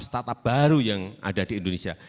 startup baru yang ada di indonesia